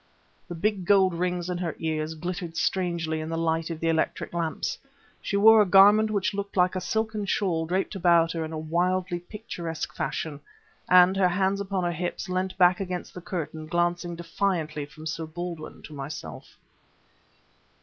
The big gold rings in her ears glittered strangely in the light of the electric lamps. She wore a garment which looked like a silken shawl wrapped about her in a wildly picturesque fashion, and, her hands upon her hips, leant back against the curtain glancing defiantly from Sir Baldwin to myself.